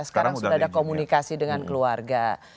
sekarang sudah ada komunikasi dengan keluarga